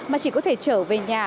mà chỉ có thể trở về nhà